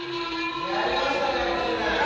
やりましたねアッキーナイエーイ！